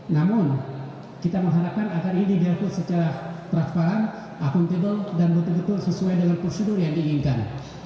namun kita mengharapkan agar ini dihapus secara transparan akuntabel dan betul betul sesuai dengan prosedur yang diinginkan